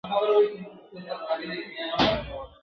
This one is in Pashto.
هغه ځوانان چي کتاب لولي د خپل راتلونکي په اړه روښانه فکر لري !.